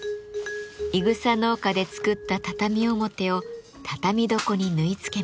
いぐさ農家で作った畳表を畳床に縫い付けます。